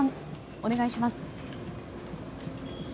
お願いします。